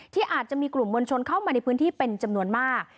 ที่อาจจะมีกลุ่มมวลชนเข้ามาในพื้นที่เป็นจำนวนมาก